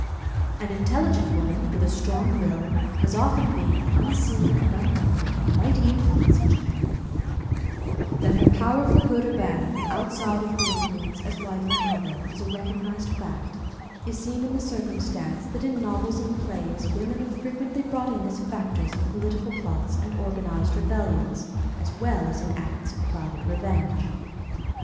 An intelligent woman, with a strong will, has often been, unseen and unknown, a mighty influence in Japan. That her power for good or bad, outside of her influence as wife and mother, is a recognized fact, is seen in the circumstance that in novels and plays women are frequently brought in as factors in political plots and organized rebellions, as well as in acts of private revenge.